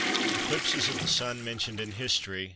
ECLIPSES OF THE SUN MENTIONED IN HISTORY.